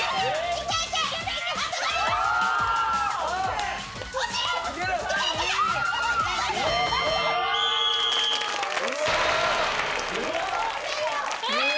いけいけ！え！